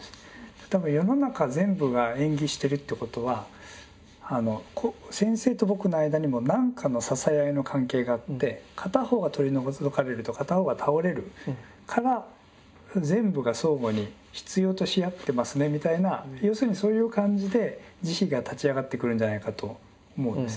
多分世の中全部が縁起してるってことは先生と僕の間にも何かの支え合いの関係があって片方が取り除かれると片方が倒れるから全部が相互に必要とし合ってますねみたいな要するにそういう感じで慈悲が立ち上がってくるんじゃないかと思うんです。